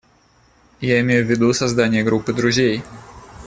Я имею в виду создание группы друзей.